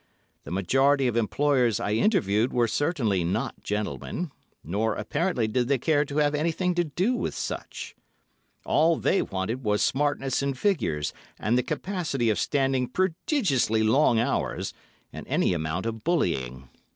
The majority of employers I interviewed were certainly not gentlemen, nor apparently did they care to have anything to do with such; all they wanted was smartness in figures and the capacity of standing prodigiously long hours and any amount of bullying.